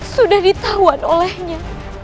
sudah ditahuan olehnya